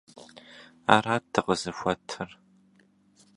Арат дыкъызыхуэтыр…